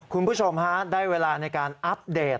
คุณผู้ชมฮะได้เวลาในการอัปเดต